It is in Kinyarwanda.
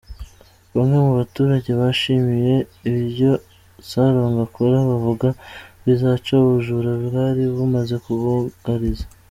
Bamwe mu baturage bashimye ibyo Salongo akora bavuga bizaca ubujuru bwari bumaze kubugariza.